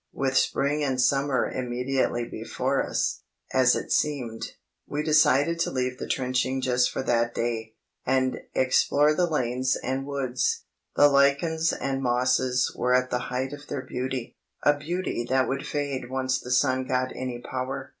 With spring and summer immediately before us, as it seemed, we decided to leave the trenching just for that day, and explore the lanes and woods. The lichens and mosses were at the height of their beauty—a beauty that would fade once the sun got any power.